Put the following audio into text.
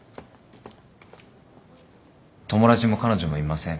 友達も彼女もいません。